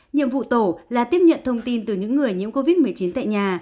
nhiệm vụ tổ là tiếp nhận thông tin từ những người nhiễm covid một mươi chín tại nhà